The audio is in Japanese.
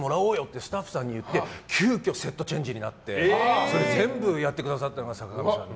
スタッフさんに言って急きょセットチェンジになって全部やってくださったのが坂上さんで。